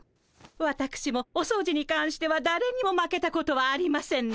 わたくしもお掃除にかんしてはだれにも負けたことはありませんの。